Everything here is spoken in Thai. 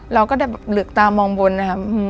เราก็จะเหลือกตามองบนนะครับ